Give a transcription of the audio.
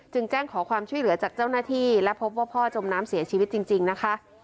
แจ้งขอความช่วยเหลือจากเจ้าหน้าที่และพบว่าพ่อจมน้ำเสียชีวิตจริงนะคะ